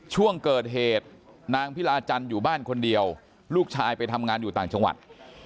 ช่วงเกิดเหตุนางพิลาจันทร์อยู่บ้านคนเดียวลูกชายไปทำงานอยู่ต่างจังหวัด